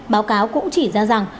báo cáo cũng chỉ ra rằng